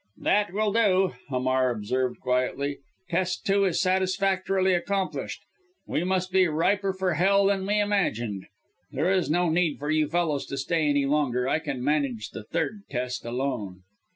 "That will do!" Hamar observed quietly. "Test two is satisfactorily accomplished. We must be riper for Hell than we imagined. There is no need for you fellows to stay any longer. I can manage the third test alone."